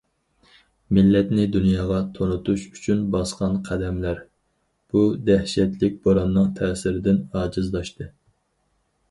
مىللەتنى دۇنياغا تونۇتۇش ئۈچۈن باسقان قەدەملەر بۇ دەھشەتلىك بوراننىڭ تەسىرىدىن ئاجىزلاشتى.